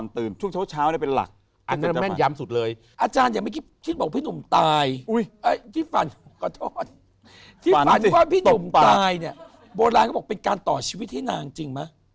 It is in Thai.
ถึงว่าพี่หยุ่มตายเนี่ยโบราณก็บอกเป็นการต่อชีวิตให้นางจริงไหม